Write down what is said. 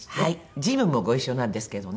ジムもご一緒なんですけどね。